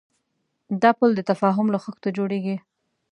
دا پُل د تفاهم له خښتو جوړېږي.